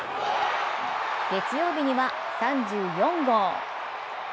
月曜日には３４号。